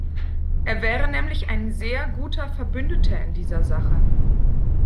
Er wäre nämlich ein sehr guter Verbündeter in dieser Sache.